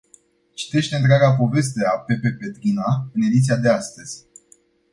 Citește întreaga poveste a lui Pepe Petrina în ediția de astăzi.